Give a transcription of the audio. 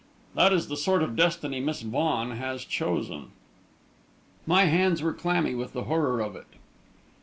That is the sort of destiny Miss Vaughan has chosen." My hands were clammy with the horror of it.